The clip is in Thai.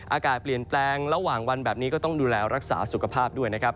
อากาศเปลี่ยนแปลงระหว่างวันแบบนี้ก็ต้องดูแลรักษาสุขภาพด้วยนะครับ